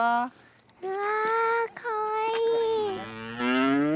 うわかわいい。